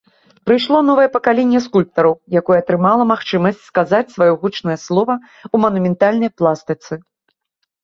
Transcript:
Прыйшло новае пакаленне скульптараў, якое атрымала магчымасць сказаць сваё гучнае слова ў манументальнай пластыцы.